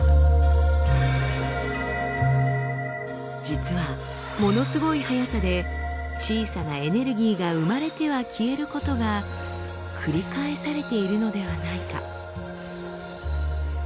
実はものすごいはやさで小さなエネルギーが生まれては消えることが繰り返されているのではないか。